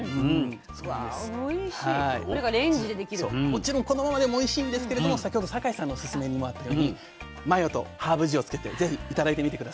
もちろんこのままでもおいしいんですけれども先ほど酒井さんのおすすめにもあったようにマヨとハーブ塩つけて是非頂いてみて下さい。